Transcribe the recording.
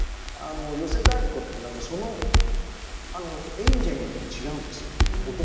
寄席太鼓ってその演者によって違うんですよね音がね。